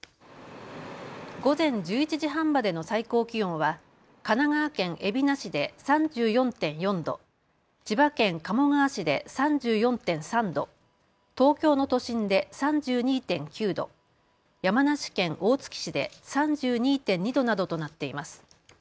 午前１１時半までの最高気温は神奈川県海老名市で３４．４度、千葉県鴨川市で３４．３度、東京の都心で３２．９度、山梨県大月市で３２．２度などとなっています。